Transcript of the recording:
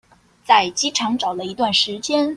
在機場找了一段時間